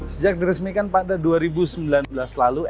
sejak diresmikan pada dua ribu sembilan belas lalu